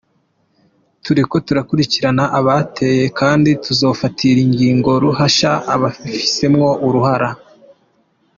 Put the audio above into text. Turiko turakurikirana abateye kandi tuzofatira ingingo ruhasha ababifisemwo uruhara.